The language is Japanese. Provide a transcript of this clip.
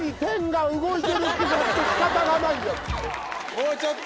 もうちょっと！